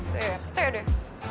tuh ya deh